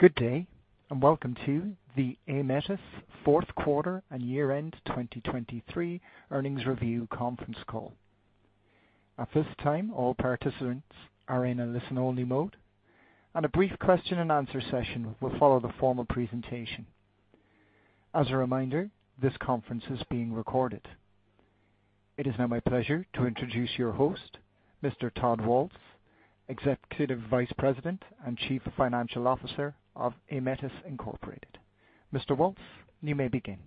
Good day and welcome to the Aemetis fourth quarter and year-end 2023 earnings review conference call. At this time, all participants are in a listen-only mode, and a brief question-and-answer session will follow the formal presentation. As a reminder, this conference is being recorded. It is now my pleasure to introduce your host, Mr. Todd Waltz, Executive Vice President and Chief Financial Officer of Aemetis Incorporated. Mr. Waltz, you may begin.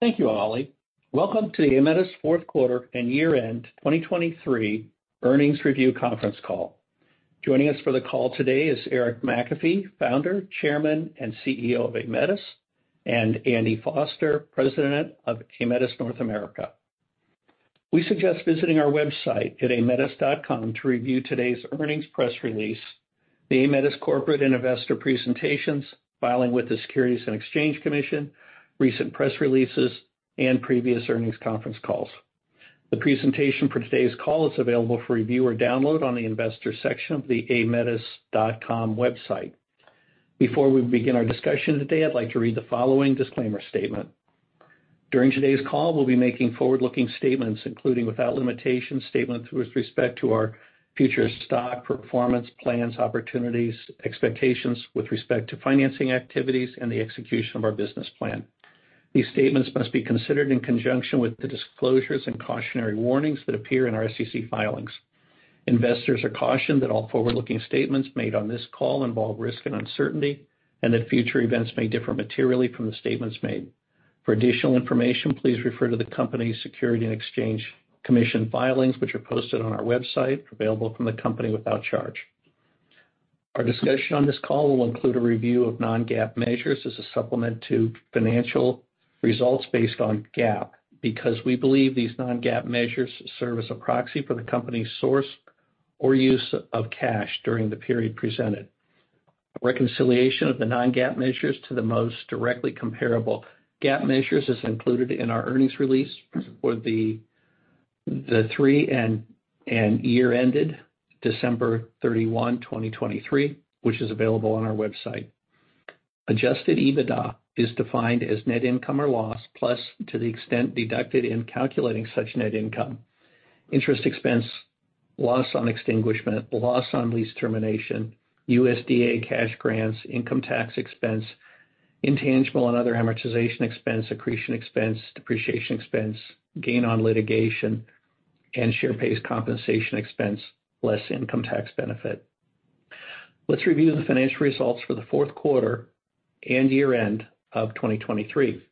Thank you, Holly. Welcome to the Aemetis fourth quarter and year-end 2023 earnings review conference call. Joining us for the call today is Eric McAfee, founder, chairman, and CEO of Aemetis, and Andy Foster, President of Aemetis North America. We suggest visiting our website at aemetis.com to review today's earnings press release, the Aemetis Corporate and Investor Presentations, filing with the Securities and Exchange Commission, recent press releases, and previous earnings conference calls. The presentation for today's call is available for review or download on the investor section of the aemetis.com website. Before we begin our discussion today, I'd like to read the following disclaimer statement. During today's call, we'll be making forward-looking statements, including without limitation statements with respect to our future stock performance plans, opportunities, expectations with respect to financing activities, and the execution of our business plan. These statements must be considered in conjunction with the disclosures and cautionary warnings that appear in our SEC filings. Investors are cautioned that all forward-looking statements made on this call involve risk and uncertainty, and that future events may differ materially from the statements made. For additional information, please refer to the company's Securities and Exchange Commission filings, which are posted on our website, available from the company without charge. Our discussion on this call will include a review of non-GAAP measures as a supplement to financial results based on GAAP because we believe these non-GAAP measures serve as a proxy for the company's source or use of cash during the period presented. Reconciliation of the non-GAAP measures to the most directly comparable GAAP measures is included in our earnings release for the year ended December 31, 2023, which is available on our website. Adjusted EBITDA is defined as net income or loss plus to the extent deducted in calculating such net income, interest expense, loss on extinguishment, loss on lease termination, USDA cash grants, income tax expense, intangible and other amortization expense, accretion expense, depreciation expense, gain on litigation, and share-based compensation expense less income tax benefit. Let's review the financial results for the fourth quarter and year-end of 2023.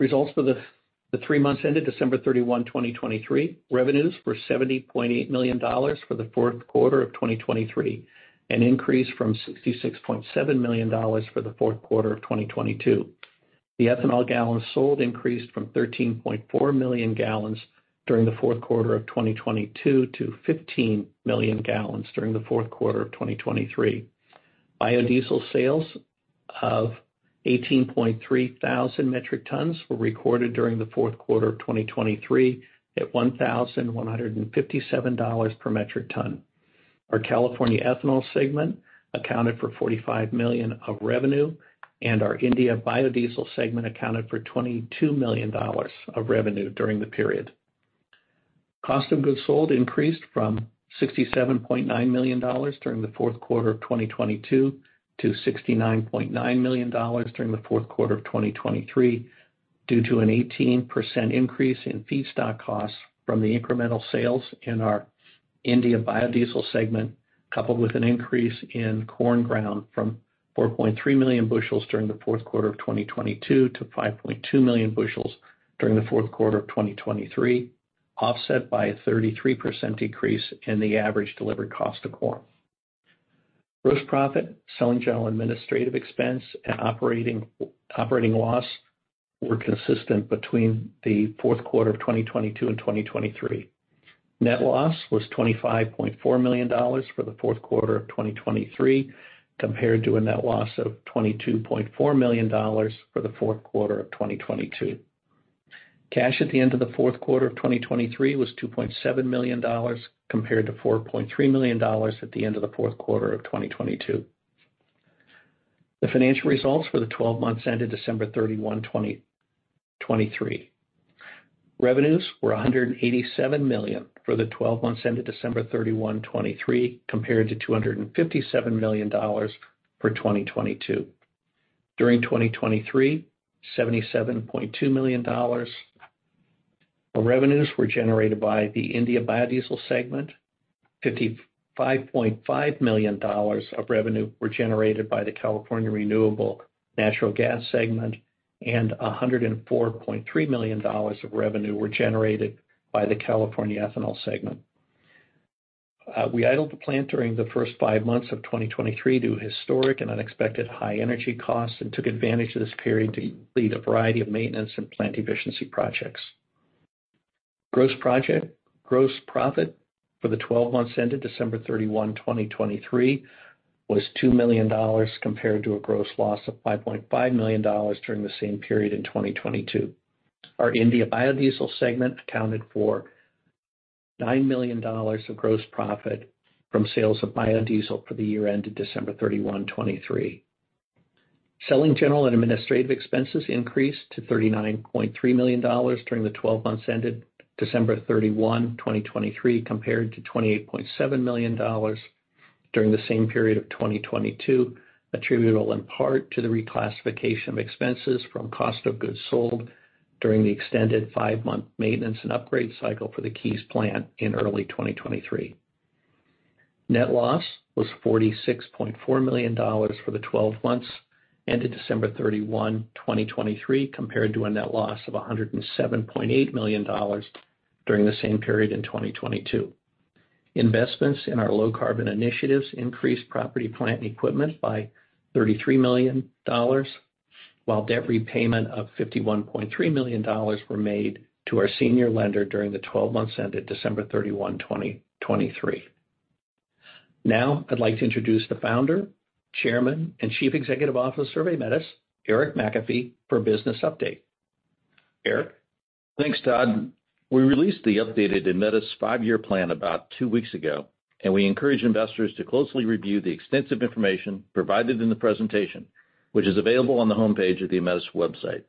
Results for the three months ended December 31, 2023, revenues were $70.8 million for the fourth quarter of 2023, an increase from $66.7 million for the fourth quarter of 2022. The ethanol gallons sold increased from 13.4 million gallons during the fourth quarter of 2022 to 15 million gallons during the fourth quarter of 2023. Biodiesel sales of 18,300 metric tons were recorded during the fourth quarter of 2023 at $1,157 per metric ton. Our California ethanol segment accounted for $45 million of revenue, and our India biodiesel segment accounted for $22 million of revenue during the period. Cost of goods sold increased from $67.9 million during the fourth quarter of 2022 to $69.9 million during the fourth quarter of 2023 due to an 18% increase in feedstock costs from the incremental sales in our India biodiesel segment, coupled with an increase in corn ground from 4.3 million bushels during the fourth quarter of 2022 to 5.2 million bushels during the fourth quarter of 2023, offset by a 33% decrease in the average delivered cost of corn. Gross profit, selling, general, and administrative expense, and operating loss were consistent between the fourth quarter of 2022 and 2023. Net loss was $25.4 million for the fourth quarter of 2023 compared to a net loss of $22.4 million for the fourth quarter of 2022. Cash at the end of the fourth quarter of 2023 was $2.7 million compared to $4.3 million at the end of the fourth quarter of 2022. The financial results for the 12 months ended December 31, 2023. Revenues were $187 million for the 12 months ended December 31, 2023, compared to $257 million for 2022. During 2023, $77.2 million of revenues were generated by the India biodiesel segment, $55.5 million of revenue were generated by the California renewable natural gas segment, and $104.3 million of revenue were generated by the California ethanol segment. We idled the plant during the first five months of 2023 due to historic and unexpected high energy costs and took advantage of this period to complete a variety of maintenance and plant efficiency projects. Gross profit for the 12 months ended December 31, 2023, was $2 million compared to a gross loss of $5.5 million during the same period in 2022. Our India biodiesel segment accounted for $9 million of gross profit from sales of biodiesel for the year ended December 31, 2023. Selling, general and administrative expenses increased to $39.3 million during the 12 months ended December 31, 2023, compared to $28.7 million during the same period of 2022, attributable in part to the reclassification of expenses from cost of goods sold during the extended five-month maintenance and upgrade cycle for the Keyes plant in early 2023. Net loss was $46.4 million for the 12 months ended December 31, 2023, compared to a net loss of $107.8 million during the same period in 2022. Investments in our low-carbon initiatives increased property, plant, and equipment by $33 million, while debt repayment of $51.3 million was made to our senior lender during the 12 months ended December 31, 2023. Now, I'd like to introduce the Founder, Chairman, and Chief Executive Officer of Aemetis, Eric McAfee, for a business update. Eric. Thanks, Todd. We released the updated Aemetis five-year plan about two weeks ago, and we encourage investors to closely review the extensive information provided in the presentation, which is available on the homepage of the Aemetis website.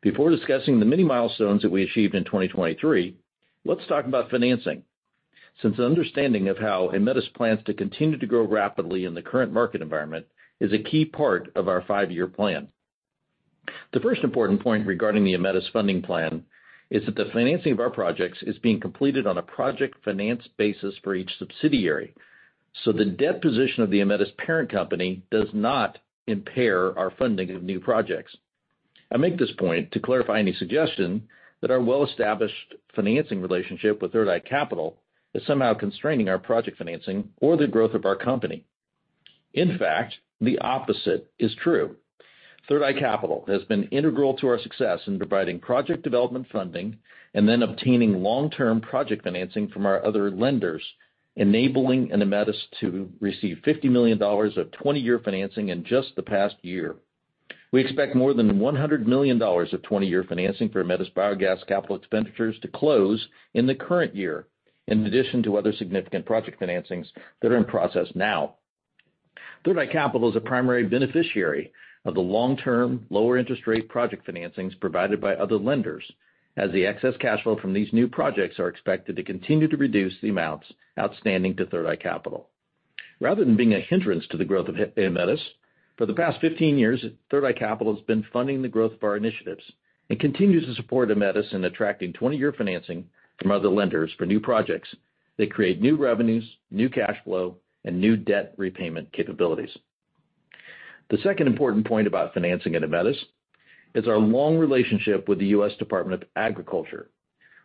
Before discussing the many milestones that we achieved in 2023, let's talk about financing, since an understanding of how Aemetis plans to continue to grow rapidly in the current market environment is a key part of our five-year plan. The first important point regarding the Aemetis funding plan is that the financing of our projects is being completed on a project finance basis for each subsidiary, so the debt position of the Aemetis parent company does not impair our funding of new projects. I make this point to clarify any suggestion that our well-established financing relationship with Third Eye Capital is somehow constraining our project financing or the growth of our company. In fact, the opposite is true. Third Eye Capital has been integral to our success in providing project development funding and then obtaining long-term project financing from our other lenders, enabling Aemetis to receive $50 million of 20-year financing in just the past year. We expect more than $100 million of 20-year financing for Aemetis Biogas capital expenditures to close in the current year, in addition to other significant project financings that are in process now. Third Eye Capital is a primary beneficiary of the long-term, lower-interest rate project financings provided by other lenders, as the excess cash flow from these new projects is expected to continue to reduce the amounts outstanding to Third Eye Capital. Rather than being a hindrance to the growth of Aemetis, for the past 15 years, Third Eye Capital has been funding the growth of our initiatives and continues to support Aemetis in attracting 20-year financing from other lenders for new projects that create new revenues, new cash flow, and new debt repayment capabilities. The second important point about financing at Aemetis is our long relationship with the U.S. Department of Agriculture,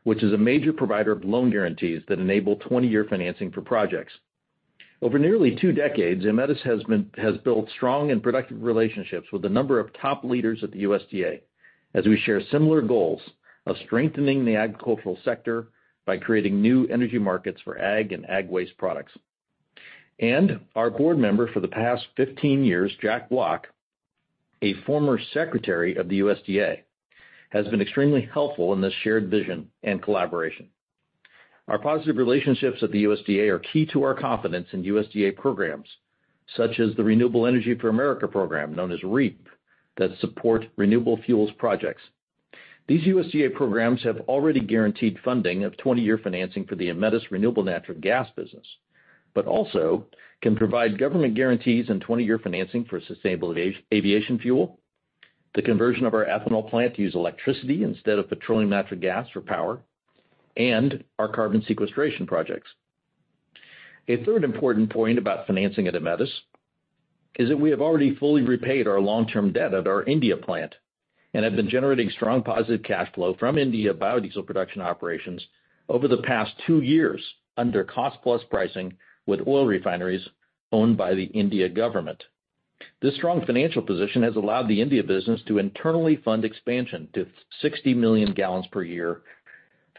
which is a major provider of loan guarantees that enable 20-year financing for projects. Over nearly two decades, Aemetis has built strong and productive relationships with a number of top leaders at the USDA, as we share similar goals of strengthening the agricultural sector by creating new energy markets for ag and ag waste products. Our board member for the past 15 years, Jack Block, a former Secretary of the USDA, has been extremely helpful in this shared vision and collaboration. Our positive relationships at the USDA are key to our confidence in USDA programs, such as the Rural Energy for America Program, known as REAP, that support renewable fuels projects. These USDA programs have already guaranteed funding of 20-year financing for the Aemetis renewable natural gas business, but also can provide government guarantees and 20-year financing for sustainable aviation fuel, the conversion of our ethanol plant to use electricity instead of petroleum natural gas for power, and our carbon sequestration projects. A third important point about financing at Aemetis is that we have already fully repaid our long-term debt at our Indian plant and have been generating strong positive cash flow from Indian biodiesel production operations over the past two years under cost-plus pricing with oil refineries owned by the Indian government. This strong financial position has allowed the Indian business to internally fund expansion to 60 million gallons per year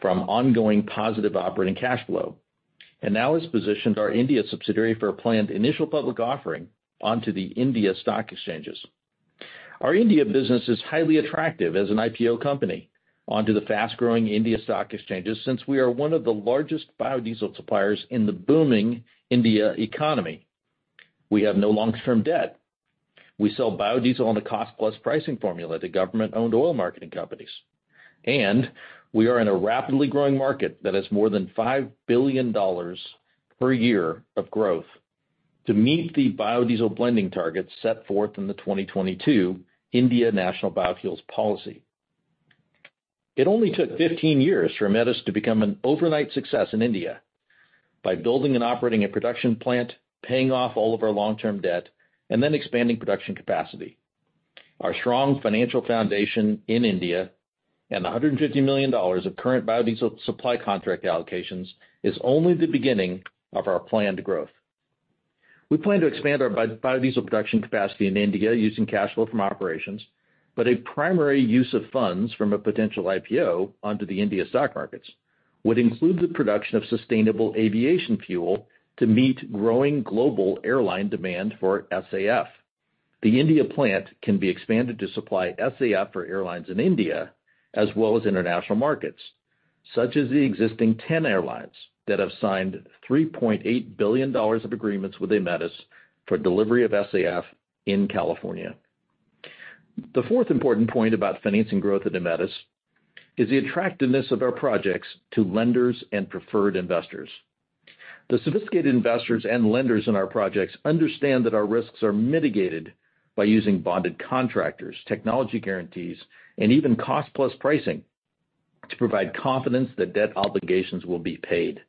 from ongoing positive operating cash flow, and now has positioned our Indian subsidiary for a planned initial public offering onto the Indian stock exchanges. Our Indian business is highly attractive as an IPO company onto the fast-growing Indian stock exchanges since we are one of the largest biodiesel suppliers in the booming Indian economy. We have no long-term debt. We sell biodiesel on a cost-plus pricing formula to government-owned oil marketing companies. We are in a rapidly growing market that has more than $5 billion per year of growth to meet the biodiesel blending targets set forth in the 2022 India National Biofuels Policy. It only took 15 years for Aemetis to become an overnight success in India by building and operating a production plant, paying off all of our long-term debt, and then expanding production capacity. Our strong financial foundation in India and the $150 million of current biodiesel supply contract allocations is only the beginning of our planned growth. We plan to expand our biodiesel production capacity in India using cash flow from operations, but a primary use of funds from a potential IPO onto the India stock markets would include the production of sustainable aviation fuel to meet growing global airline demand for SAF. The India plant can be expanded to supply SAF for airlines in India as well as international markets, such as the existing 10 airlines that have signed $3.8 billion of agreements with Aemetis for delivery of SAF in California. The fourth important point about financing growth at Aemetis is the attractiveness of our projects to lenders and preferred investors. The sophisticated investors and lenders in our projects understand that our risks are mitigated by using bonded contractors, technology guarantees, and even cost-plus pricing to provide confidence that debt obligations will be paid.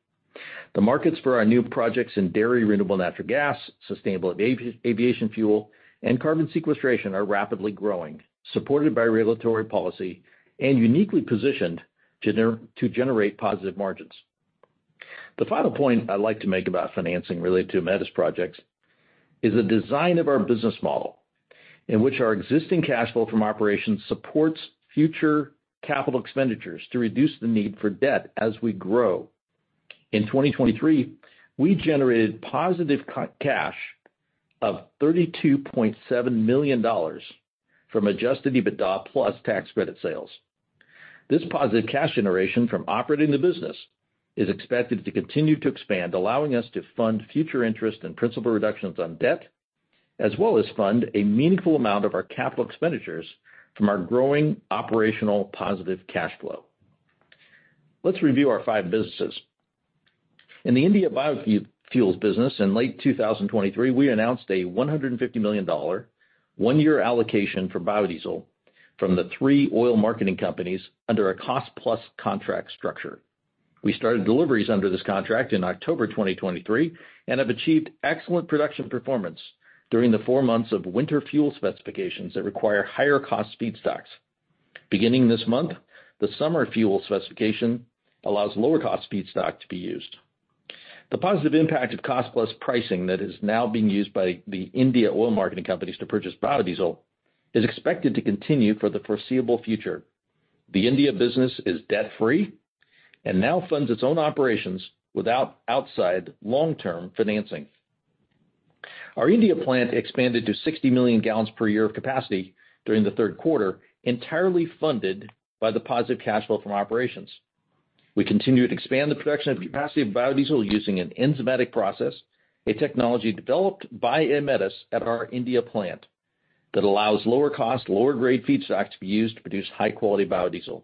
The markets for our new projects in dairy renewable natural gas, sustainable aviation fuel, and carbon sequestration are rapidly growing, supported by regulatory policy, and uniquely positioned to generate positive margins. The final point I'd like to make about financing related to Aemetis projects is the design of our business model, in which our existing cash flow from operations supports future capital expenditures to reduce the need for debt as we grow. In 2023, we generated positive cash of $32.7 million from Adjusted EBITDA plus tax credit sales. This positive cash generation from operating the business is expected to continue to expand, allowing us to fund future interest and principal reductions on debt, as well as fund a meaningful amount of our capital expenditures from our growing operational positive cash flow. Let's review our five businesses. In the India biofuels business, in late 2023, we announced a $150 million one-year allocation for biodiesel from the three oil marketing companies under a cost-plus contract structure. We started deliveries under this contract in October 2023 and have achieved excellent production performance during the four months of winter fuel specifications that require higher-cost feedstocks. Beginning this month, the summer fuel specification allows lower-cost feedstock to be used. The positive impact of cost-plus pricing that is now being used by the India oil marketing companies to purchase biodiesel is expected to continue for the foreseeable future. The India business is debt-free and now funds its own operations without outside long-term financing. Our India plant expanded to 60 million gallons per year of capacity during the third quarter, entirely funded by the positive cash flow from operations. We continued to expand the production of capacity of biodiesel using an enzymatic process, a technology developed by Aemetis at our India plant that allows lower-cost, lower-grade feedstock to be used to produce high-quality biodiesel.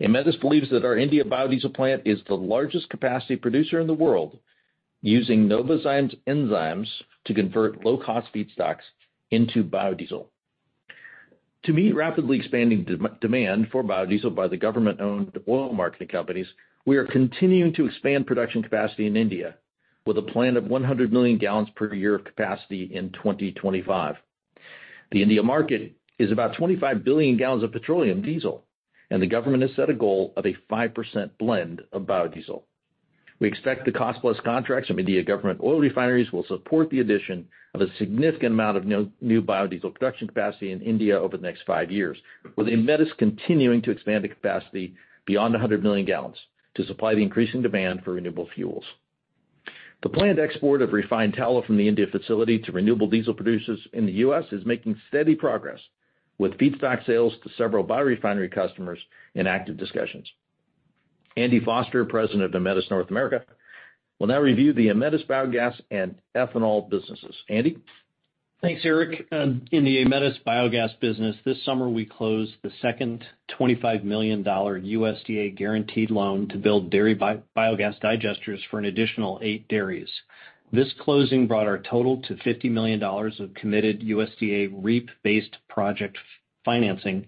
Aemetis believes that our India biodiesel plant is the largest capacity producer in the world, using Novozymes enzymes to convert low-cost feedstocks into biodiesel. To meet rapidly expanding demand for biodiesel by the government-owned oil marketing companies, we are continuing to expand production capacity in India with a plan of 100 million gallons per year of capacity in 2025. The India market is about 25 billion gallons of petroleum diesel, and the government has set a goal of a 5% blend of biodiesel. We expect the cost-plus contracts from India government oil refineries will support the addition of a significant amount of new biodiesel production capacity in India over the next five years, with Aemetis continuing to expand the capacity beyond 100 million gallons to supply the increasing demand for renewable fuels. The planned export of refined tallow from the India facility to renewable diesel producers in the U.S. is making steady progress, with feedstock sales to several biorefinery customers in active discussions. Andy Foster, President of Aemetis North America, will now review the Aemetis Biogas and ethanol businesses. Andy. Thanks, Eric. In the Aemetis Biogas business, this summer we closed the second $25 million USDA guaranteed loan to build dairy biogas digesters for an additional eight dairies. This closing brought our total to $50 million of committed USDA REAP-based project financing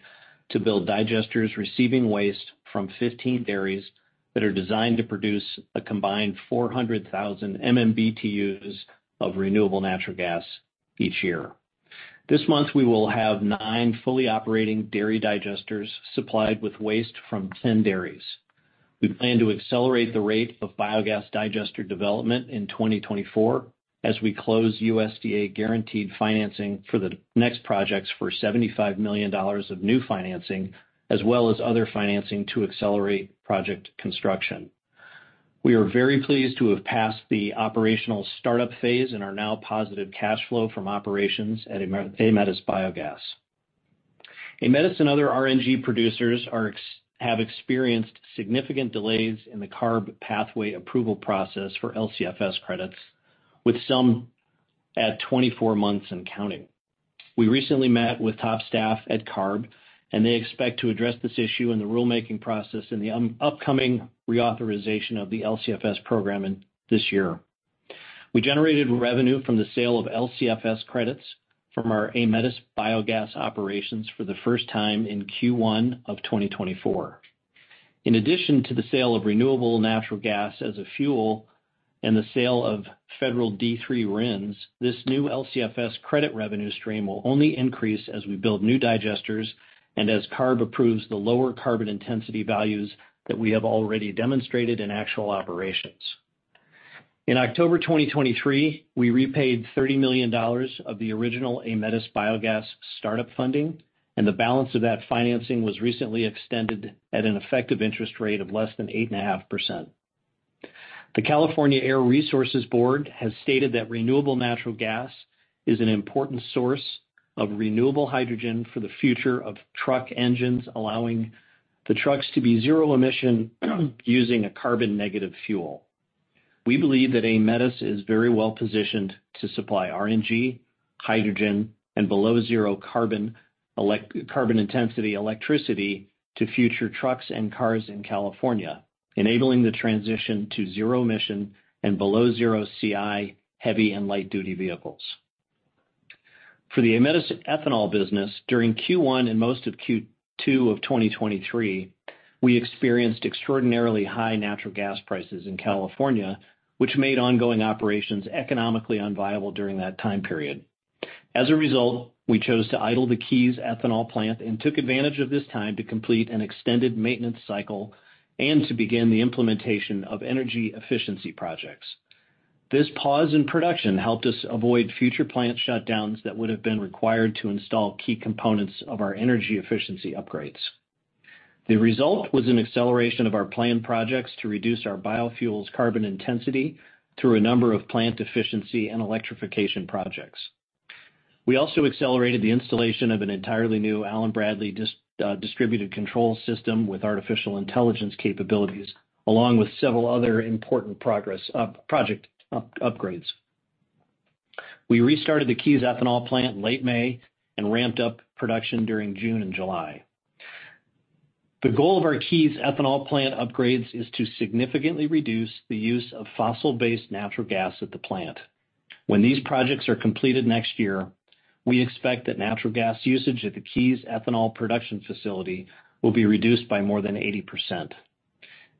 to build digesters receiving waste from 15 dairies that are designed to produce a combined 400,000 MMBtus of renewable natural gas each year. This month, we will have nine fully operating dairy digesters supplied with waste from 10 dairies. We plan to accelerate the rate of biogas digester development in 2024 as we close USDA guaranteed financing for the next projects for $75 million of new financing, as well as other financing to accelerate project construction. We are very pleased to have passed the operational startup phase and we're now positive cash flow from operations at Aemetis Biogas. Aemetis and other RNG producers have experienced significant delays in the CARB pathway approval process for LCFS credits, with some at 24 months and counting. We recently met with top staff at CARB, and they expect to address this issue in the rulemaking process and the upcoming reauthorization of the LCFS program this year. We generated revenue from the sale of LCFS credits from our Aemetis Biogas operations for the first time in Q1 of 2024. In addition to the sale of renewable natural gas as a fuel and the sale of federal D3 RINs, this new LCFS credit revenue stream will only increase as we build new digesters and as CARB approves the lower carbon intensity values that we have already demonstrated in actual operations. In October 2023, we repaid $30 million of the original Aemetis Biogas startup funding, and the balance of that financing was recently extended at an effective interest rate of less than 8.5%. The California Air Resources Board has stated that renewable natural gas is an important source of renewable hydrogen for the future of truck engines, allowing the trucks to be zero-emission using a carbon-negative fuel. We believe that Aemetis is very well positioned to supply RNG, hydrogen, and below-zero carbon intensity electricity to future trucks and cars in California, enabling the transition to zero-emission and below-zero CI heavy and light-duty vehicles. For the Aemetis Ethanol business, during Q1 and most of Q2 of 2023, we experienced extraordinarily high natural gas prices in California, which made ongoing operations economically unviable during that time period. As a result, we chose to idle the Keyes ethanol plant and took advantage of this time to complete an extended maintenance cycle and to begin the implementation of energy efficiency projects. This pause in production helped us avoid future plant shutdowns that would have been required to install key components of our energy efficiency upgrades. The result was an acceleration of our planned projects to reduce our biofuels carbon intensity through a number of plant efficiency and electrification projects. We also accelerated the installation of an entirely new Allen-Bradley distributed control system with artificial intelligence capabilities, along with several other important project upgrades. We restarted the Keyes ethanol plant late May and ramped up production during June and July. The goal of our Keyes ethanol plant upgrades is to significantly reduce the use of fossil-based natural gas at the plant. When these projects are completed next year, we expect that natural gas usage at the Keyes ethanol production facility will be reduced by more than 80%.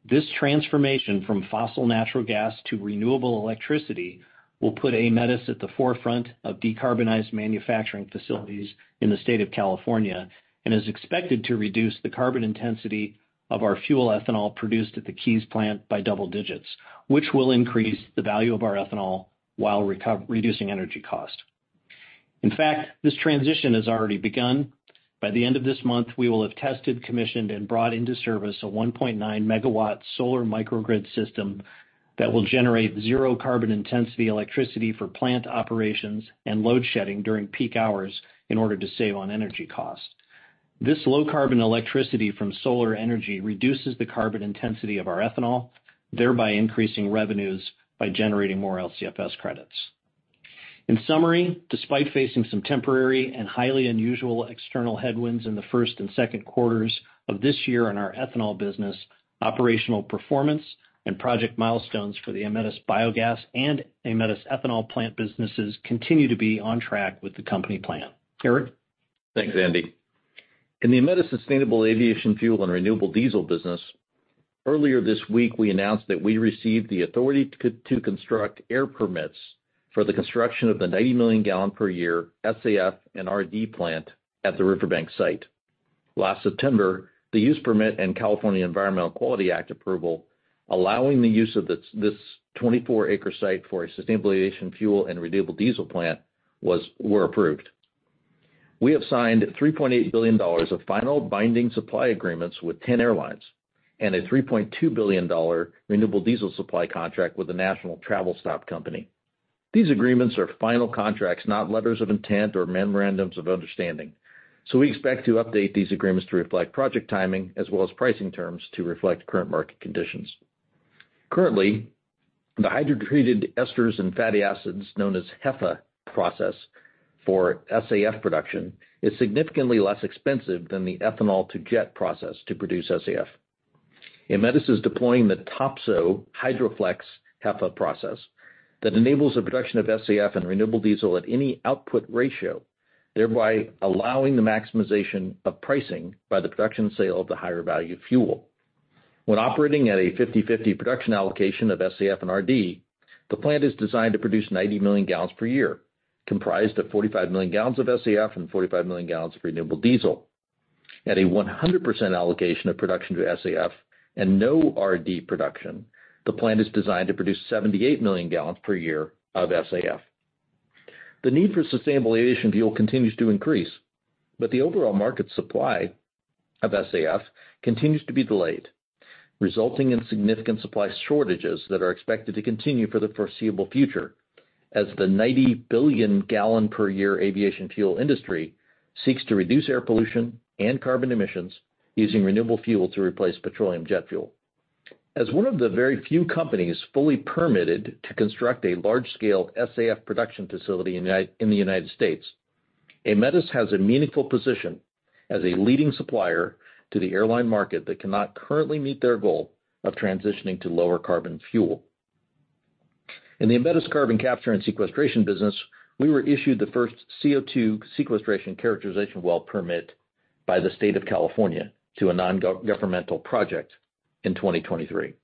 This transformation from fossil natural gas to renewable electricity will put Aemetis at the forefront of decarbonized manufacturing facilities in the state of California and is expected to reduce the carbon intensity of our fuel ethanol produced at the Keyes plant by double digits, which will increase the value of our ethanol while reducing energy cost. In fact, this transition has already begun. By the end of this month, we will have tested, commissioned, and brought into service a 1.9 MW solar microgrid system that will generate zero-carbon intensity electricity for plant operations and load shedding during peak hours in order to save on energy cost. This low-carbon electricity from solar energy reduces the carbon intensity of our ethanol, thereby increasing revenues by generating more LCFS credits. In summary, despite facing some temporary and highly unusual external headwinds in the first and second quarters of this year in our ethanol business, operational performance and project milestones for the Aemetis Biogas and Aemetis Ethanol plant businesses continue to be on track with the company plan. Eric? Thanks, Andy. In the Aemetis sustainable aviation fuel and renewable diesel business, earlier this week, we announced that we received the Authority to Construct air permits for the construction of the 90 million gallon per year SAF and RD plant at the Riverbank site. Last September, the Use Permit and California Environmental Quality Act approval, allowing the use of this 24-acre site for a sustainable aviation fuel and renewable diesel plant, were approved. We have signed $3.8 billion of final binding supply agreements with 10 airlines and a $3.2 billion renewable diesel supply contract with the national travel stop company. These agreements are final contracts, not letters of intent or memorandums of understanding. So we expect to update these agreements to reflect project timing as well as pricing terms to reflect current market conditions. Currently, the Hydroprocessed Esters and Fatty Acids known as HEFA process for SAF production is significantly less expensive than the ethanol-to-jet process to produce SAF. Aemetis is deploying the Topsoe HydroFlex HEFA process that enables the production of SAF and renewable diesel at any output ratio, thereby allowing the maximization of pricing by the production sale of the higher-value fuel. When operating at a 50/50 production allocation of SAF and RD, the plant is designed to produce 90 million gallons per year, comprised of 45 million gallons of SAF and 45 million gallons of renewable diesel. At a 100% allocation of production to SAF and no RD production, the plant is designed to produce 78 million gallons per year of SAF. The need for sustainable aviation fuel continues to increase, but the overall market supply of SAF continues to be delayed, resulting in significant supply shortages that are expected to continue for the foreseeable future as the 90 billion gallon per year aviation fuel industry seeks to reduce air pollution and carbon emissions using renewable fuel to replace petroleum jet fuel. As one of the very few companies fully permitted to construct a large-scale SAF production facility in the United States, Aemetis has a meaningful position as a leading supplier to the airline market that cannot currently meet their goal of transitioning to lower-carbon fuel. In the Aemetis carbon capture and sequestration business, we were issued the first CO2 sequestration characterization well permit by the state of California to a non-governmental project in 2023.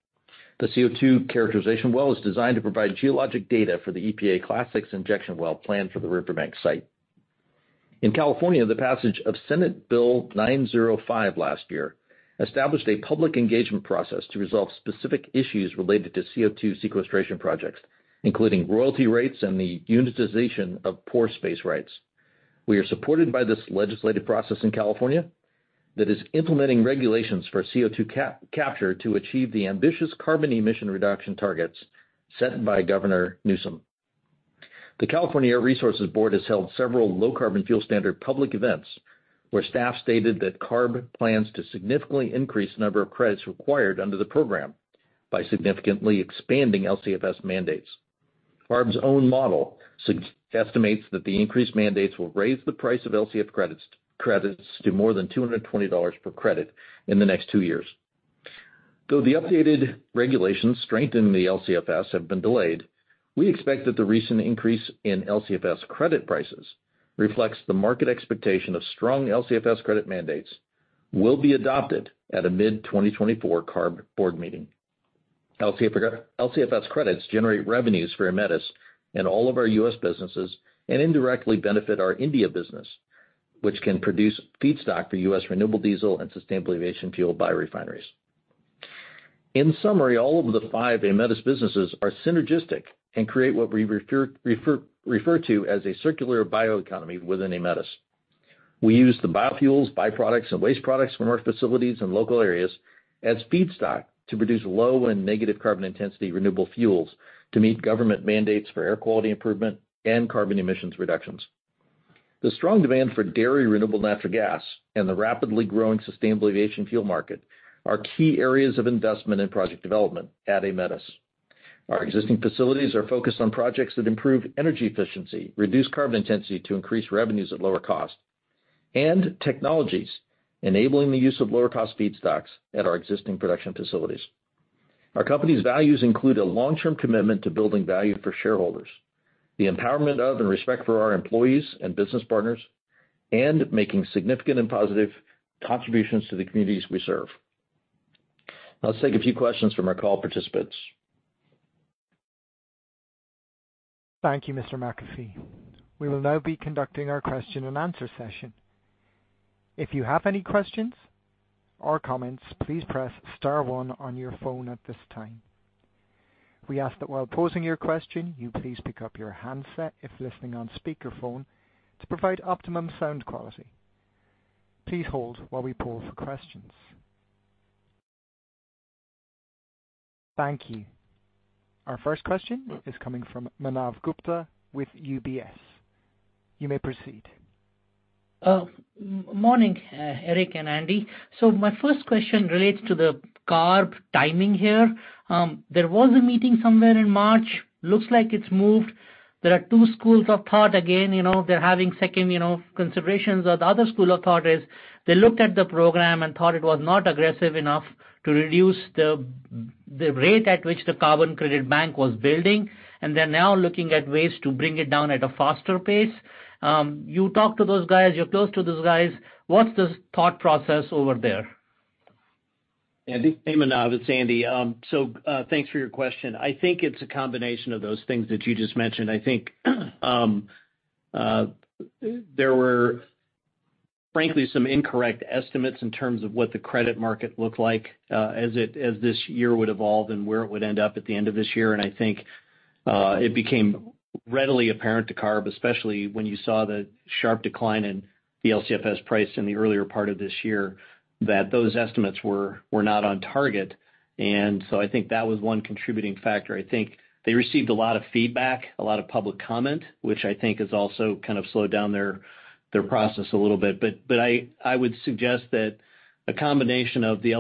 The CO2 characterization well is designed to provide geologic data for the EPA Class VI injection well planned for the Riverbank site. In California, the passage of Senate Bill 905 last year established a public engagement process to resolve specific issues related to CO2 sequestration projects, including royalty rates and the unitization of pore space rights. We are supported by this legislative process in California that is implementing regulations for CO2 capture to achieve the ambitious carbon emission reduction targets set by Governor Newsom. The California Air Resources Board has held several Low Carbon Fuel Standard public events where staff stated that CARB plans to significantly increase the number of credits required under the program by significantly expanding LCFS mandates. CARB's own model estimates that the increased mandates will raise the price of LCFS credits to more than $220 per credit in the next two years. Though the updated regulations strengthening the LCFS have been delayed, we expect that the recent increase in LCFS credit prices reflects the market expectation of strong LCFS credit mandates will be adopted at a mid-2024 CARB board meeting. LCFS credits generate revenues for Aemetis and all of our U.S. businesses and indirectly benefit our India business, which can produce feedstock for U.S. renewable diesel and sustainable aviation fuel biorefineries. In summary, all of the five Aemetis businesses are synergistic and create what we refer to as a circular bioeconomy within Aemetis. We use the biofuels, byproducts, and waste products from our facilities and local areas as feedstock to produce low and negative carbon intensity renewable fuels to meet government mandates for air quality improvement and carbon emissions reductions. The strong demand for dairy renewable natural gas and the rapidly growing sustainable aviation fuel market are key areas of investment and project development at Aemetis. Our existing facilities are focused on projects that improve energy efficiency, reduce carbon intensity to increase revenues at lower cost, and technologies, enabling the use of lower-cost feedstocks at our existing production facilities. Our company's values include a long-term commitment to building value for shareholders, the empowerment of and respect for our employees and business partners, and making significant and positive contributions to the communities we serve. Let's take a few questions from our call participants. Thank you, Mr. McAfee. We will now be conducting our question-and-answer session. If you have any questions or comments, please press star one on your phone at this time. We ask that while posing your question, you please pick up your handset if listening on speakerphone to provide optimum sound quality. Please hold while we pull for questions. Thank you. Our first question is coming from Manav Gupta with UBS. You may proceed. Morning, Eric and Andy. So my first question relates to the CARB timing here. There was a meeting somewhere in March. Looks like it's moved. There are two schools of thought again. They're having second considerations. The other school of thought is they looked at the program and thought it was not aggressive enough to reduce the rate at which the carbon credit bank was building, and they're now looking at ways to bring it down at a faster pace. You talk to those guys. You're close to those guys. What's the thought process over there? Hey, Manav. It's Andy. Thanks for your question. I think it's a combination of those things that you just mentioned. I think there were, frankly, some incorrect estimates in terms of what the credit market looked like as this year would evolve and where it would end up at the end of this year. I think it became readily apparent to CARB, especially when you saw the sharp decline in the LCFS price in the earlier part of this year, that those estimates were not on target. I think that was one contributing factor. I think they received a lot of feedback, a lot of public comment, which I think has also kind of slowed down their process a little bit. But I would suggest that a combination of the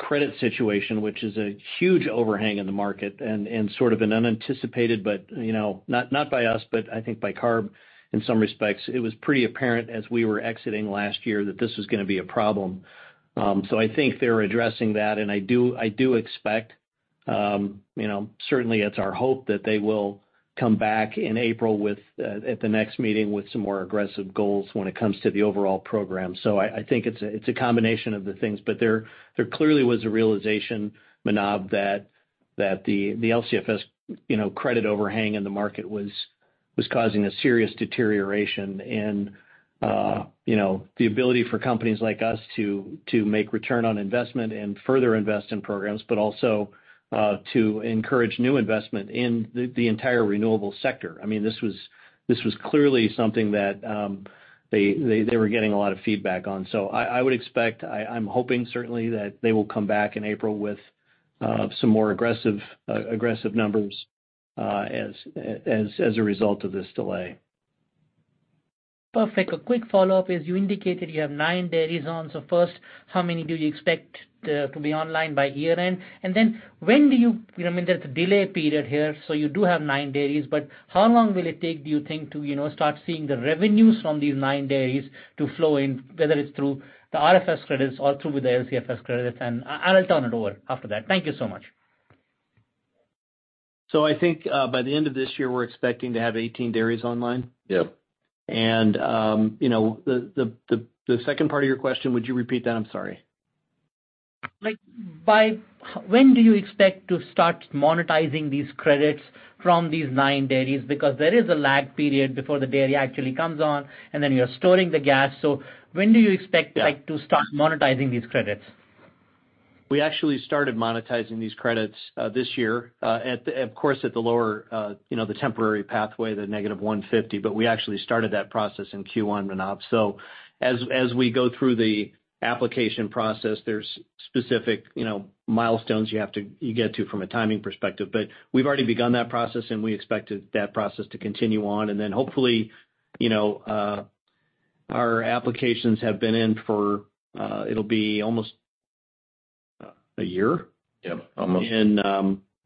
LCFS credit situation, which is a huge overhang in the market and sort of an unanticipated but not by us, but I think by CARB in some respects, it was pretty apparent as we were exiting last year that this was going to be a problem. So I think they're addressing that. And I do expect certainly, it's our hope that they will come back in April at the next meeting with some more aggressive goals when it comes to the overall program. So I think it's a combination of the things. But there clearly was a realization, Manav, that the LCFS credit overhang in the market was causing a serious deterioration in the ability for companies like us to make return on investment and further invest in programs, but also to encourage new investment in the entire renewable sector. I mean, this was clearly something that they were getting a lot of feedback on. So I would expect, I'm hoping, certainly, that they will come back in April with some more aggressive numbers as a result of this delay. Perfect. A quick follow-up is you indicated you have nine dairy zones. So first, how many do you expect to be online by year-end? And then when do you—I mean, there's a delay period here. So you do have nine dairies. But how long will it take, do you think, to start seeing the revenues from these nine dairies to flow in, whether it's through the RFS credits or through the LCFS credits? And I'll turn it over after that. Thank you so much. I think by the end of this year, we're expecting to have 18 dairies online. The second part of your question, would you repeat that? I'm sorry. When do you expect to start monetizing these credits from these nine dairies? Because there is a lag period before the dairy actually comes on, and then you're storing the gas. So when do you expect to start monetizing these credits? We actually started monetizing these credits this year, of course, at the lower the temporary pathway, the negative 150. But we actually started that process in Q1, Manav. So as we go through the application process, there's specific milestones you have to get to from a timing perspective. But we've already begun that process, and we expect that process to continue on. And then hopefully, our applications have been in for it'll be almost a year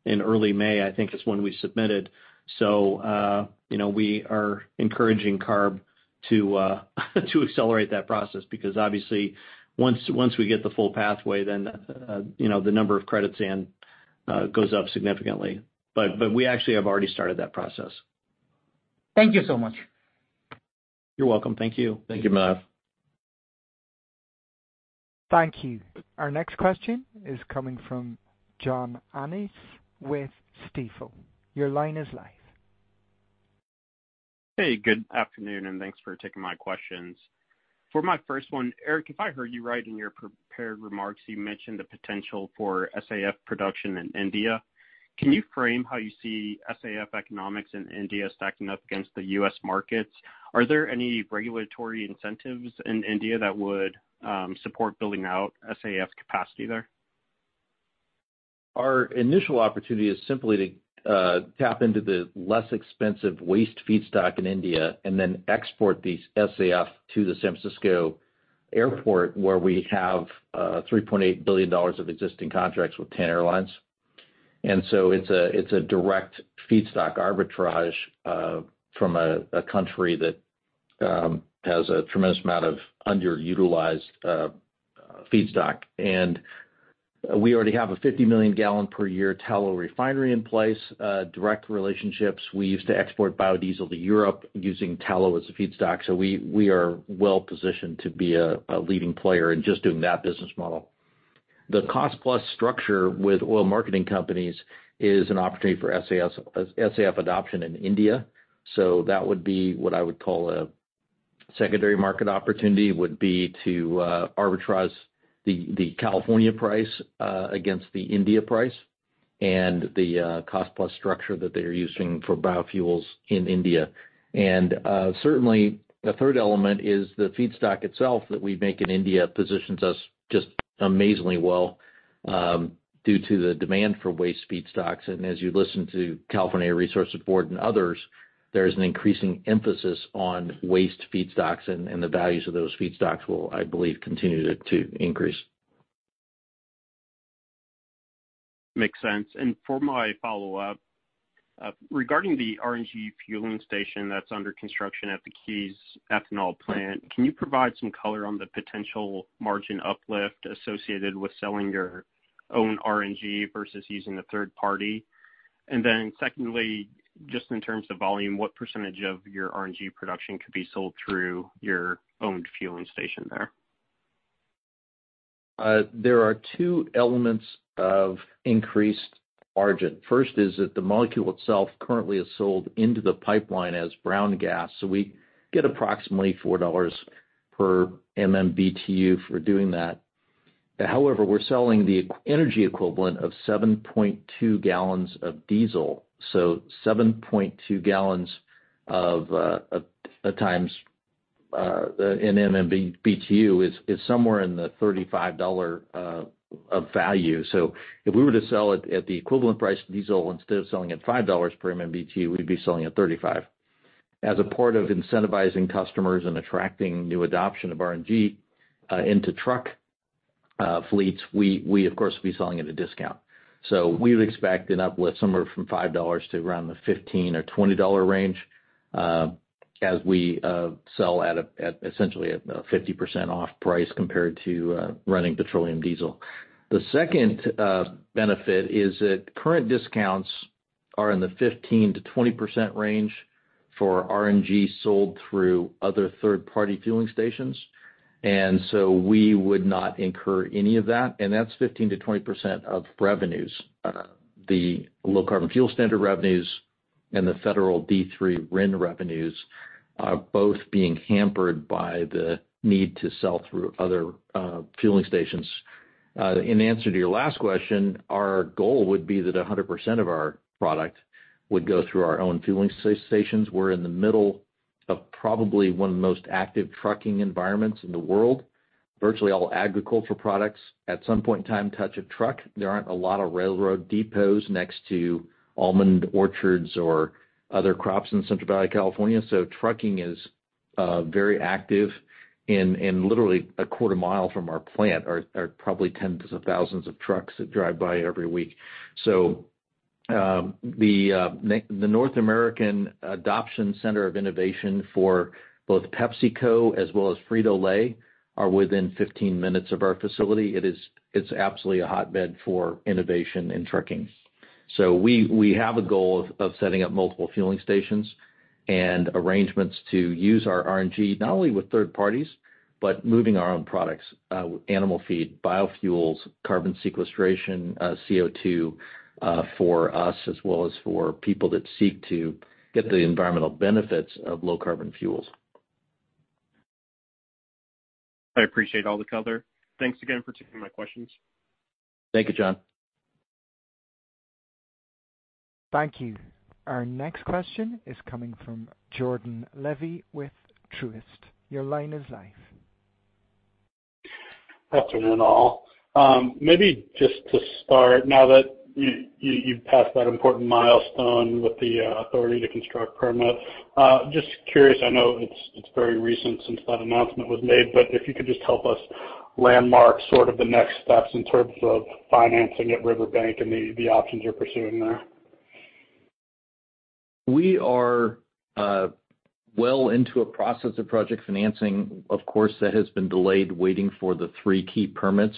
in early May, I think, is when we submitted. So we are encouraging CARB to accelerate that process because obviously, once we get the full pathway, then the number of credits goes up significantly. But we actually have already started that process. Thank you so much. You're welcome. Thank you. Thank you, Manav. Thank you. Our next question is coming from John Annis with Stifel. Your line is live. Hey, good afternoon, and thanks for taking my questions. For my first one, Eric, if I heard you right in your prepared remarks, you mentioned the potential for SAF production in India. Can you frame how you see SAF economics in India stacking up against the U.S. markets? Are there any regulatory incentives in India that would support building out SAF capacity there? Our initial opportunity is simply to tap into the less expensive waste feedstock in India and then export these SAF to the San Francisco airport where we have $3.8 billion of existing contracts with 10 airlines. So it's a direct feedstock arbitrage from a country that has a tremendous amount of underutilized feedstock. We already have a 50 million gallon per year tallow refinery in place, direct relationships. We used to export biodiesel to Europe using tallow as a feedstock. We are well-positioned to be a leading player in just doing that business model. The cost-plus structure with oil marketing companies is an opportunity for SAF adoption in India. That would be what I would call a secondary market opportunity would be to arbitrage the California price against the India price and the cost-plus structure that they are using for biofuels in India. Certainly, the third element is the feedstock itself that we make in India positions us just amazingly well due to the demand for waste feedstocks. As you listen to California Air Resources Board and others, there is an increasing emphasis on waste feedstocks, and the values of those feedstocks will, I believe, continue to increase. Makes sense. For my follow-up, regarding the RNG fueling station that's under construction at the Keyes ethanol plant, can you provide some color on the potential margin uplift associated with selling your own RNG versus using a third party? Then secondly, just in terms of volume, what percentage of your RNG production could be sold through your owned fueling station there? There are two elements of increased margin. First is that the molecule itself currently is sold into the pipeline as brown gas. So we get approximately $4 per MMBtu for doing that. However, we're selling the energy equivalent of 7.2 gallons of diesel. So 7.2 gallons of a times an MMBtu is somewhere in the $35 of value. So if we were to sell it at the equivalent price of diesel instead of selling at $5 per MMBtu, we'd be selling at $35. As a part of incentivizing customers and attracting new adoption of RNG into truck fleets, we, of course, would be selling at a discount. So we would expect an uplift somewhere from $5 to around the $15-$20 range as we sell at essentially a 50% off price compared to running petroleum diesel. The second benefit is that current discounts are in the 15%-20% range for RNG sold through other third-party fueling stations. And so we would not incur any of that. And that's 15%-20% of revenues. The Low Carbon Fuel Standard revenues and the federal D3 RIN revenues are both being hampered by the need to sell through other fueling stations. In answer to your last question, our goal would be that 100% of our product would go through our own fueling stations. We're in the middle of probably one of the most active trucking environments in the world. Virtually all agricultural products at some point in time touch a truck. There aren't a lot of railroad depots next to almond orchards or other crops in Central Valley, California. So trucking is very active. Literally a quarter mile from our plant are probably tens of thousands of trucks that drive by every week. So the North American Adoption Center of Innovation for both PepsiCo as well as Frito-Lay are within 15 minutes of our facility. It's absolutely a hotbed for innovation and trucking. So we have a goal of setting up multiple fueling stations and arrangements to use our RNG not only with third parties, but moving our own products, animal feed, biofuels, carbon sequestration, CO2 for us as well as for people that seek to get the environmental benefits of low-carbon fuels. I appreciate all the color. Thanks again for taking my questions. Thank you, John. Thank you. Our next question is coming from Jordan Levy with Truist. Your line is live. Afternoon, all. Maybe just to start, now that you've passed that important milestone with the authority to construct permits, just curious, I know it's very recent since that announcement was made, but if you could just help us landmark sort of the next steps in terms of financing at Riverbank and the options you're pursuing there. We are well into a process of project financing, of course, that has been delayed waiting for the three key permits,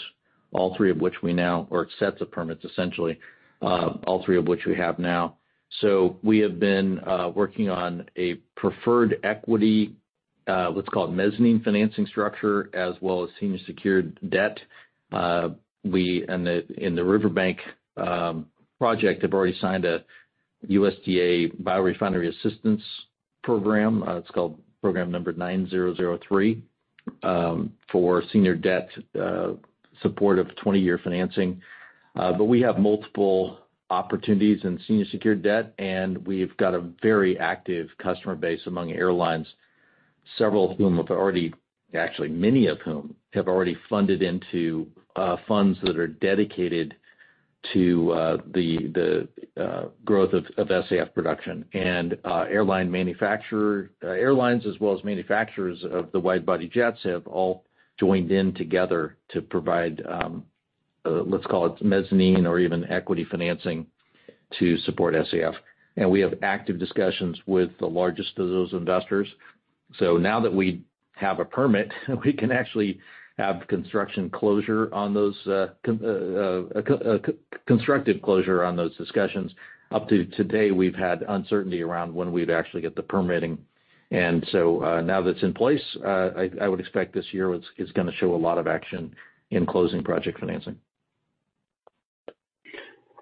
all three of which we now have our sets of permits, essentially, all three of which we have now. So we have been working on a preferred equity, what's called mezzanine financing structure, as well as senior secured debt. And in the Riverbank project, they've already signed a USDA Biorefinery Assistance Program. It's called program number 9003 for senior debt support of 20-year financing. But we have multiple opportunities in senior secured debt, and we've got a very active customer base among airlines, several of whom have already actually, many of whom have already funded into funds that are dedicated to the growth of SAF production. Airline manufacturers, airlines as well as manufacturers of the wide-body jets have all joined in together to provide, let's call it, mezzanine or even equity financing to support SAF. And we have active discussions with the largest of those investors. So now that we have a permit, we can actually have construction closure on those constructive closure on those discussions. Up to today, we've had uncertainty around when we'd actually get the permitting. And so now that it's in place, I would expect this year is going to show a lot of action in closing project financing.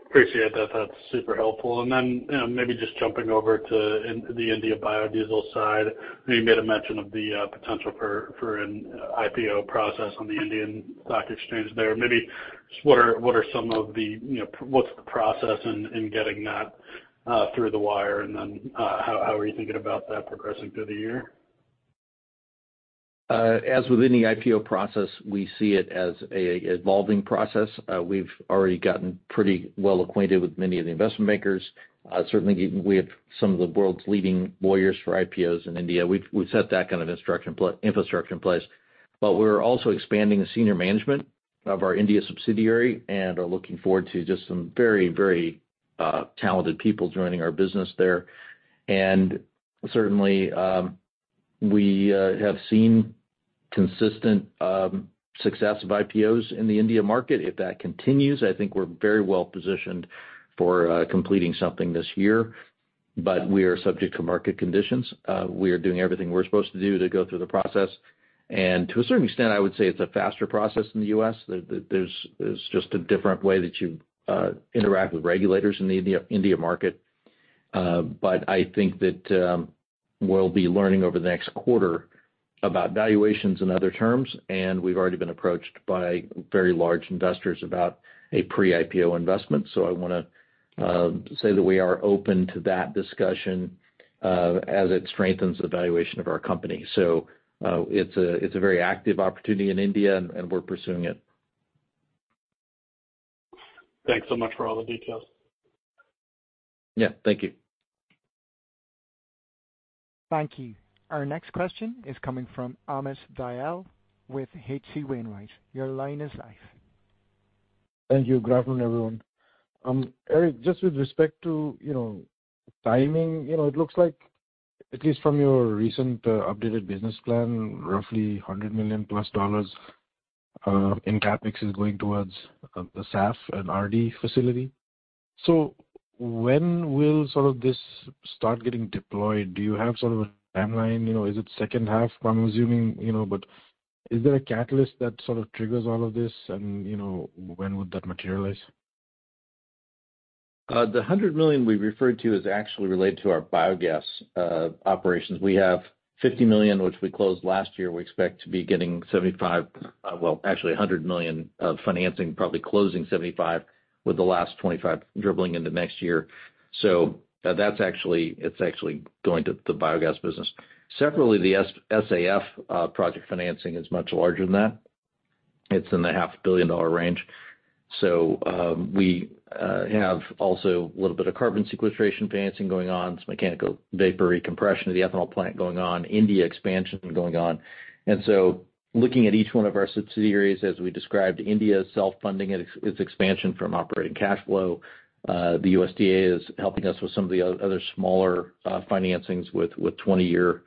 Appreciate that. That's super helpful. And then maybe just jumping over to the India biodiesel side, you made a mention of the potential for an IPO process on the Indian stock exchange there. Maybe just what's the process in getting that through the wire? And then how are you thinking about that progressing through the year? As with any IPO process, we see it as an evolving process. We've already gotten pretty well acquainted with many of the investment makers. Certainly, we have some of the world's leading lawyers for IPOs in India. We've set that kind of infrastructure in place. But we're also expanding the senior management of our India subsidiary and are looking forward to just some very, very talented people joining our business there. And certainly, we have seen consistent success of IPOs in the India market. If that continues, I think we're very well positioned for completing something this year. But we are subject to market conditions. We are doing everything we're supposed to do to go through the process. And to a certain extent, I would say it's a faster process in the U.S. There's just a different way that you interact with regulators in the India market. I think that we'll be learning over the next quarter about valuations in other terms. We've already been approached by very large investors about a pre-IPO investment. I want to say that we are open to that discussion as it strengthens the valuation of our company. It's a very active opportunity in India, and we're pursuing it. Thanks so much for all the details. Yeah. Thank you. Thank you. Our next question is coming from Amit Dayal with H.C. Wainwright. Your line is live. Thank you. Good afternoon, everyone. Eric, just with respect to timing, it looks like, at least from your recent updated business plan, roughly $100 million+ in CapEx is going towards the SAF and RD facility. So when will sort of this start getting deployed? Do you have sort of a timeline? Is it second half, I'm assuming? But is there a catalyst that sort of triggers all of this, and when would that materialize? The $100 million we referred to is actually related to our biogas operations. We have $50 million, which we closed last year. We expect to be getting 75, well, actually, $100 million of financing, probably closing 75 with the last 25 dribbling into next year. So it's actually going to the biogas business. Separately, the SAF project financing is much larger than that. It's in the $500 million range. So we have also a little bit of carbon sequestration financing going on, some mechanical vapor recompression of the ethanol plant going on, India expansion going on. And so looking at each one of our subsidiaries, as we described, India is self-funding its expansion from operating cash flow. The USDA is helping us with some of the other smaller financings with 20-year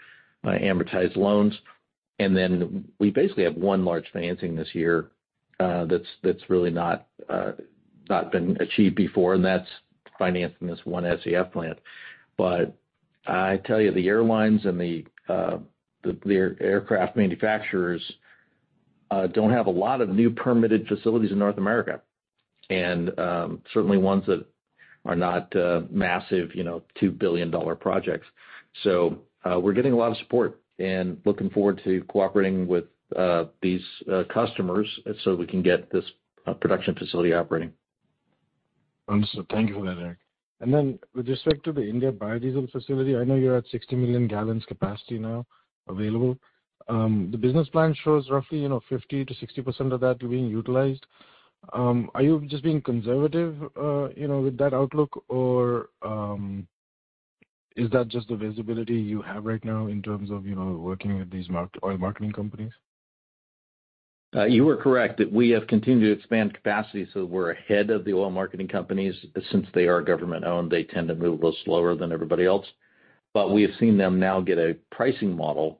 amortized loans. Then we basically have one large financing this year that's really not been achieved before, and that's financing this one SAF plant. But I tell you, the airlines and the aircraft manufacturers don't have a lot of new permitted facilities in North America, and certainly ones that are not massive $2 billion projects. So we're getting a lot of support and looking forward to cooperating with these customers so we can get this production facility operating. Thank you for that, Eric. And then with respect to the India biodiesel facility, I know you're at 60 million gallons capacity now available. The business plan shows roughly 50%-60% of that being utilized. Are you just being conservative with that outlook, or is that just the visibility you have right now in terms of working with these oil marketing companies? You are correct that we have continued to expand capacity. So we're ahead of the oil marketing companies. Since they are government-owned, they tend to move a little slower than everybody else. But we have seen them now get a pricing model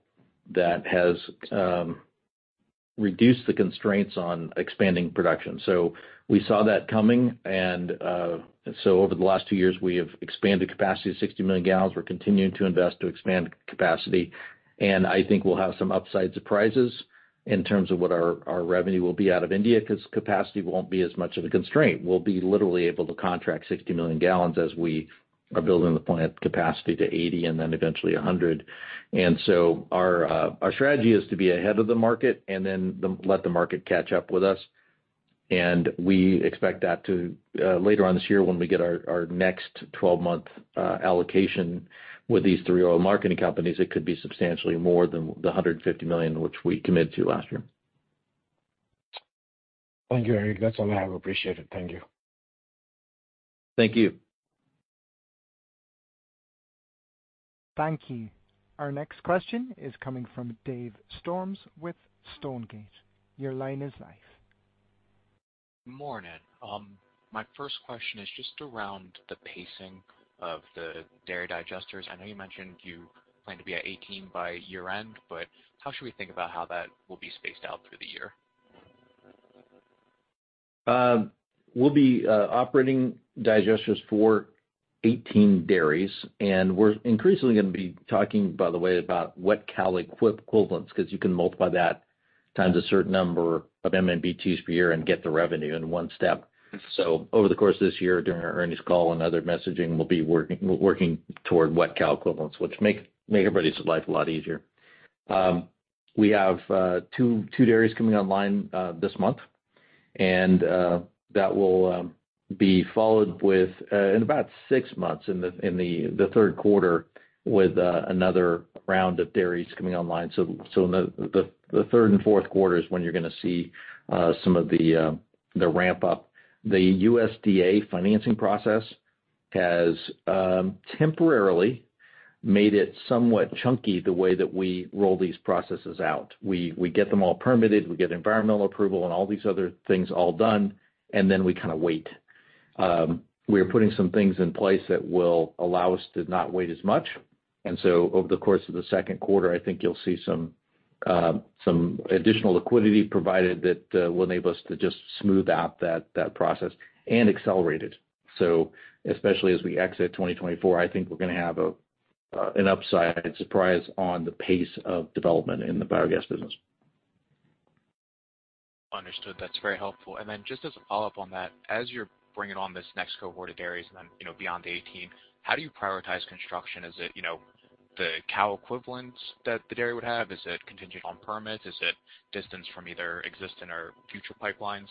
that has reduced the constraints on expanding production. So we saw that coming. And so over the last two years, we have expanded capacity to 60 million gallons. We're continuing to invest to expand capacity. And I think we'll have some upside surprises in terms of what our revenue will be out of India because capacity won't be as much of a constraint. We'll be literally able to contract 60 million gallons as we are building the plant capacity to 80 and then eventually 100. And so our strategy is to be ahead of the market and then let the market catch up with us. We expect that later on this year when we get our next 12-month allocation with these three oil marketing companies, it could be substantially more than the $150 million, which we committed to last year. Thank you, Eric. That's all I have. Appreciate it. Thank you. Thank you. Thank you. Our next question is coming from Dave Storms with Stonegate. Your line is live. Morning. My first question is just around the pacing of the dairy digesters. I know you mentioned you plan to be at 18 by year-end, but how should we think about how that will be spaced out through the year? We'll be operating digesters for 18 dairies. We're increasingly going to be talking, by the way, about wet cow equivalents because you can multiply that times a certain number of MMBtu per year and get the revenue in one step. Over the course of this year, during our earnings call and other messaging, we'll be working toward wet cow equivalents, which make everybody's life a lot easier. We have 2 dairies coming online this month, and that will be followed with in about 6 months in the third quarter with another round of dairies coming online. In the third and fourth quarter is when you're going to see some of the ramp-up. The USDA financing process has temporarily made it somewhat chunky the way that we roll these processes out. We get them all permitted. We get environmental approval and all these other things all done, and then we kind of wait. We are putting some things in place that will allow us to not wait as much. And so over the course of the second quarter, I think you'll see some additional liquidity provided that will enable us to just smooth out that process and accelerate it. So especially as we exit 2024, I think we're going to have an upside surprise on the pace of development in the biogas business. Understood. That's very helpful. And then just as a follow-up on that, as you're bringing on this next cohort of dairies and then beyond the 18, how do you prioritize construction? Is it the cow equivalents that the dairy would have? Is it contingent on permits? Is it distance from either existing or future pipelines?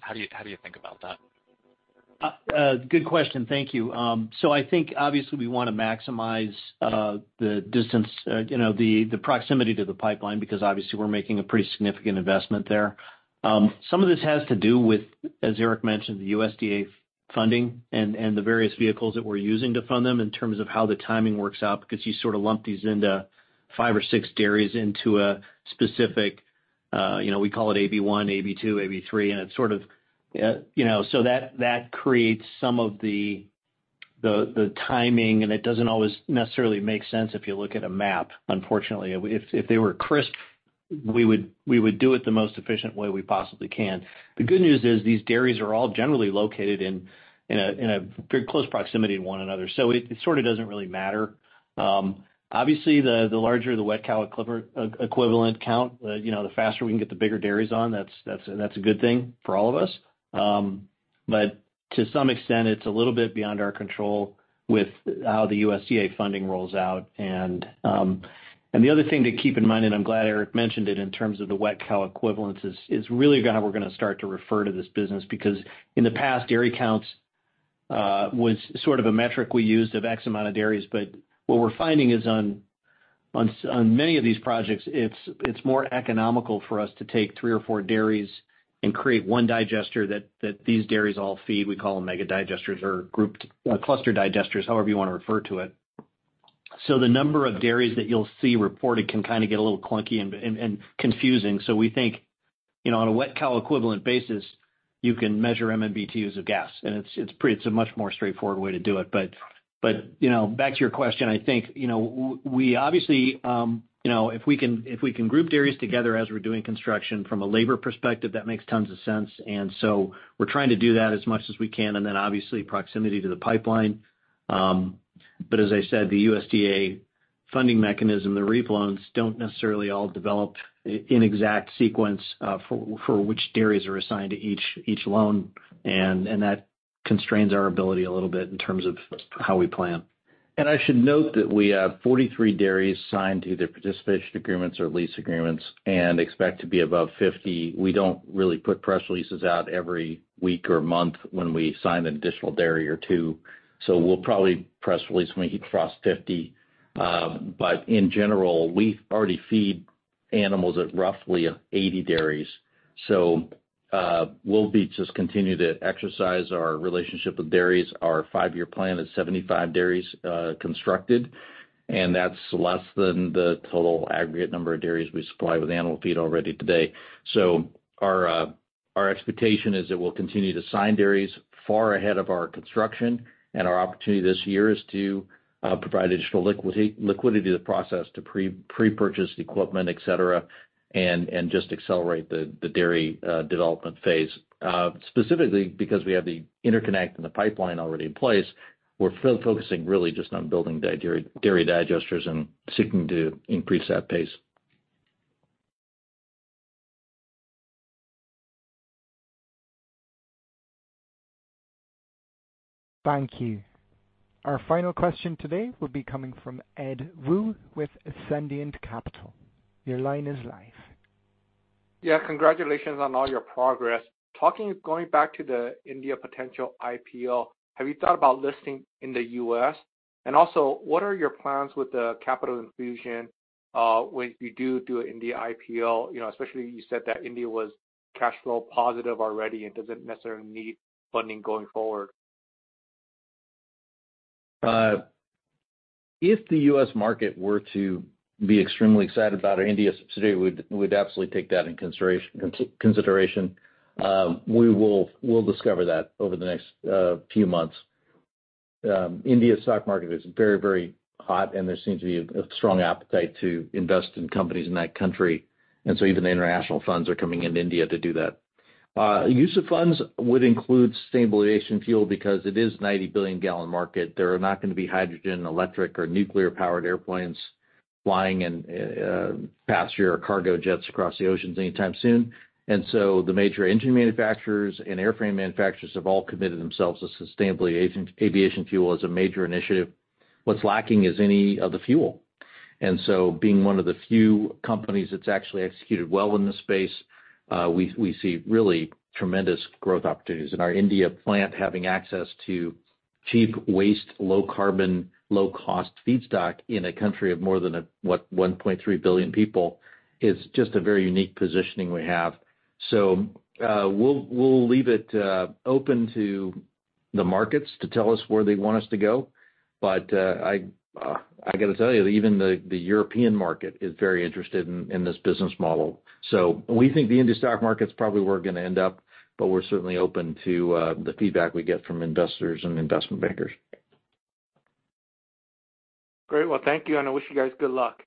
How do you think about that? Good question. Thank you. So I think, obviously, we want to maximize the distance, the proximity to the pipeline because, obviously, we're making a pretty significant investment there. Some of this has to do with, as Eric mentioned, the USDA funding and the various vehicles that we're using to fund them in terms of how the timing works out because you sort of lump these into five or six dairies into a specific we call it AB1, AB2, AB3, and it's sort of so that creates some of the timing, and it doesn't always necessarily make sense if you look at a map, unfortunately. If they were crisp, we would do it the most efficient way we possibly can. The good news is these dairies are all generally located in very close proximity to one another. So it sort of doesn't really matter. Obviously, the larger the wet cow equivalent count, the faster we can get the bigger dairies on, that's a good thing for all of us. But to some extent, it's a little bit beyond our control with how the USDA funding rolls out. And the other thing to keep in mind, and I'm glad Eric mentioned it, in terms of the wet cow equivalents is really how we're going to start to refer to this business because in the past, dairy counts was sort of a metric we used of X amount of dairies. But what we're finding is on many of these projects, it's more economical for us to take three or four dairies and create one digester that these dairies all feed. We call them mega digesters or grouped cluster digesters, however you want to refer to it. So the number of dairies that you'll see reported can kind of get a little clunky and confusing. So we think on a wet cow equivalent basis, you can measure MMBtu of gas. And it's a much more straightforward way to do it. But back to your question, I think we obviously, if we can group dairies together as we're doing construction from a labor perspective, that makes tons of sense. And so we're trying to do that as much as we can. And then, obviously, proximity to the pipeline. But as I said, the USDA funding mechanism, the REAP loans, don't necessarily all develop in exact sequence for which dairies are assigned to each loan. And that constrains our ability a little bit in terms of how we plan. I should note that we have 43 dairies signed to either participation agreements or lease agreements and expect to be above 50. We don't really put press releases out every week or month when we sign an additional dairy or two. So we'll probably press release when we cross 50. But in general, we already feed animals at roughly 80 dairies. So we'll just continue to exercise our relationship with dairies. Our five-year plan is 75 dairies constructed. And that's less than the total aggregate number of dairies we supply with animal feed already today. So our expectation is that we'll continue to sign dairies far ahead of our construction. And our opportunity this year is to provide additional liquidity to the process to pre-purchase the equipment, etc., and just accelerate the dairy development phase. Specifically, because we have the interconnect and the pipeline already in place, we're focusing really just on building dairy digesters and seeking to increase that pace. Thank you. Our final question today will be coming from Ed Woo with Ascendiant Capital. Your line is live. Yeah. Congratulations on all your progress. Going back to the India potential IPO, have you thought about listing in the U.S.? And also, what are your plans with the capital infusion when you do do an India IPO? Especially you said that India was cash flow positive already and doesn't necessarily need funding going forward. If the U.S. market were to be extremely excited about an India subsidiary, we'd absolutely take that into consideration. We'll discover that over the next few months. India's stock market is very, very hot, and there seems to be a strong appetite to invest in companies in that country. And so even the international funds are coming into India to do that. Use of funds would include sustainable fuel because it is a 90 billion gallon market. There are not going to be hydrogen, electric, or nuclear-powered airplanes flying passenger and cargo jets across the oceans anytime soon. And so the major engine manufacturers and airframe manufacturers have all committed themselves to sustainable aviation fuel as a major initiative. What's lacking is any of the fuel. And so being one of the few companies that's actually executed well in this space, we see really tremendous growth opportunities. Our India plant, having access to cheap, waste, low-carbon, low-cost feedstock in a country of more than 1.3 billion people, is just a very unique positioning we have. We'll leave it open to the markets to tell us where they want us to go. I got to tell you, even the European market is very interested in this business model. We think the India stock market's probably where we're going to end up, but we're certainly open to the feedback we get from investors and investment bankers. Great. Well, thank you. And I wish you guys good luck.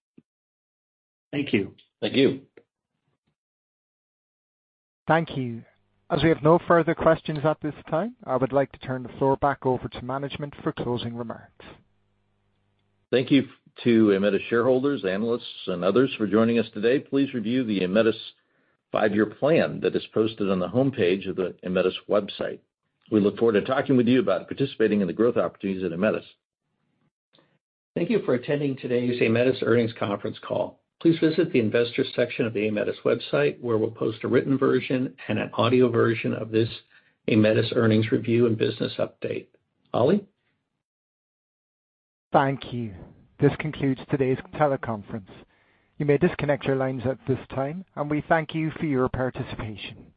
Thank you. Thank you. Thank you. As we have no further questions at this time, I would like to turn the floor back over to management for closing remarks. Thank you to Aemetis shareholders, analysts, and others for joining us today. Please review the Aemetis five-year plan that is posted on the homepage of the Aemetis website. We look forward to talking with you about participating in the growth opportunities at Aemetis. Thank you for attending today's Aemetis earnings conference call. Please visit the investors section of the Aemetis website where we'll post a written version and an audio version of this Aemetis earnings review and business update. Ollie? Thank you. This concludes today's teleconference. You may disconnect your lines at this time, and we thank you for your participation.